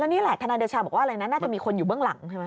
นี่แหละทนายเดชาบอกว่าอะไรนะน่าจะมีคนอยู่เบื้องหลังใช่ไหม